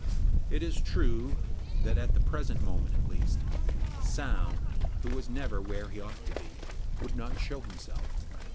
It is true, that, at the present moment at least, Soun, who was never where he ought to be, would not show himself.